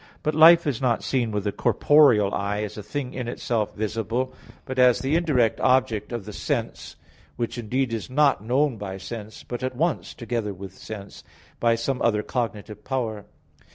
But life is not seen with the corporeal eye, as a thing in itself visible, but as the indirect object of the sense; which indeed is not known by sense, but at once, together with sense, by some other cognitive power.